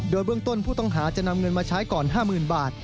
โดยเบื้องต้นผู้ต้องหาจะนำเงินมาใช้ก่อน๕๐๐๐บาท